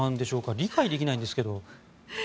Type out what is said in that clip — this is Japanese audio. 理解できないんですけど。